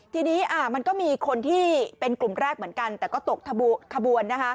ทีนี้มันก็มีคนที่เป็นกลุ่มแรกเหมือนกันแต่ก็ตกขบวน